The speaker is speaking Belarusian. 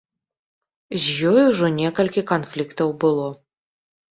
З ёй ужо некалькі канфліктаў было.